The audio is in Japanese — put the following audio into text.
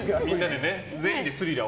全員で「スリラー」